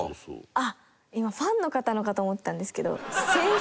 あっ今ファンの方のかと思ったんですけど先生。